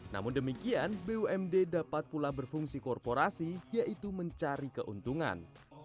namun demikian bumd dapat pula berfungsi korporasi yaitu mencari keuntungan